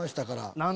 何？